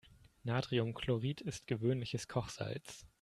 Natriumchlorid ist gewöhnliches Kochsalz.